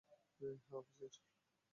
হ্যাঁ, অফিসের।